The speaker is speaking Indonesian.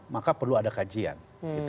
maka perlu ada kajian